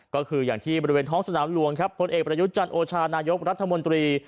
ก็คืออย่างที่บริเวณท้องสนามหลวงครับพลเอกประยุทธ์จันทร์โอชานายกรัฐมนตรี